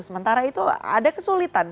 sementara itu ada kesulitan